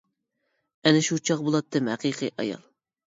ئەنە شۇ چاغ بۇلاتتىم ھەقىقىي ئايال.